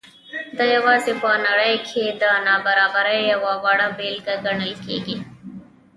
دا یوازې په نړۍ کې د نابرابرۍ یوه وړه بېلګه ګڼل کېږي.